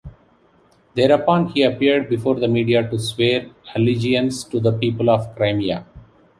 Thereupon he appeared before the media to swear allegiance to the people of Crimea.